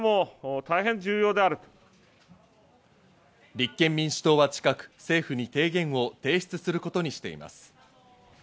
立憲民主党は近く政府に提言を提出することにしています。